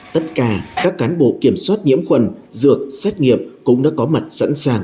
tất cả các cán bộ kiểm soát nhiễm khuẩn dược xét nghiệm cũng đã có mặt sẵn sàng